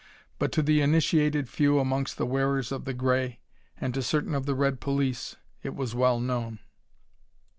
But to the initiated few amongst the wearers of the gray, and to certain of the red police, it was well known.